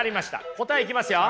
答えいきますよ。